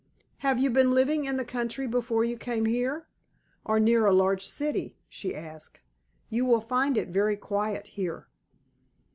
"Have you been living in the country before you came here, or near a large city?" she asked. "You will find it very quiet here!"